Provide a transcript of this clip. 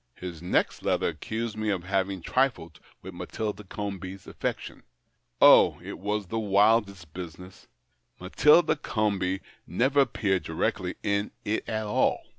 His next letter accused me of having triHed with Matilda Comby's aftections. Oh, it was the wildest business ! Matilda Comby never appeared directly in it at all.